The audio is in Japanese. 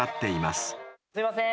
すいません。